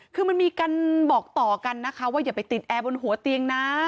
คือมันมีการบอกต่อกันนะคะว่าอย่าไปติดแอร์บนหัวเตียงนะ